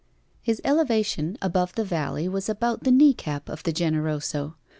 His elevation above the valley was about the kneecap of the Generoso.